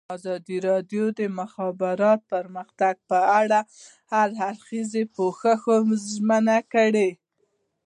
ازادي راډیو د د مخابراتو پرمختګ په اړه د هر اړخیز پوښښ ژمنه کړې.